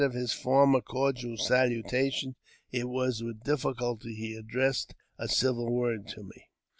319 of his former cordial salutation it was with difficulty he addressed a civil word to me.